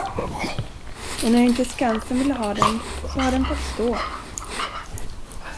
Och när inte Skansen ville ha den, så har den fått stå.